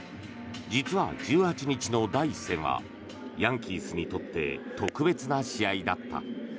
実は１８日の第１戦はヤンキースにとって特別な試合だった。